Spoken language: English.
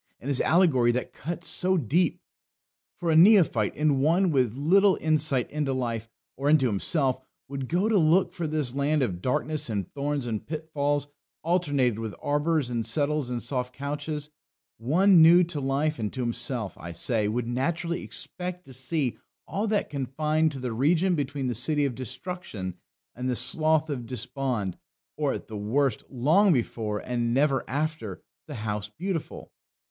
And his allegory that cuts so deep! For a neophyte, and one with little insight into life, or into himself, would go to look for this land of darkness and thorns and pitfalls, alternated with arbours and settles and soft couches one new to life and to himself, I say, would naturally expect to see all that confined to the region between the City of Destruction and the Slough of Despond; or, at the worst, long before, and never after, the House Beautiful.